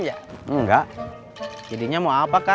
tidak seperti mutasabapti